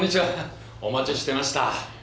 お待ちしてました。